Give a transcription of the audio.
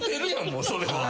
もうそれは。